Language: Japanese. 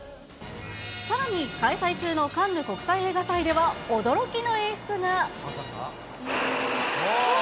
さらに、開催中のカンヌ国際映画祭では、驚きの演出が。